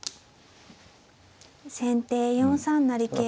先手４三成桂。